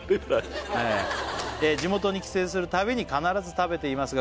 「地元に帰省するたびに必ず食べていますが」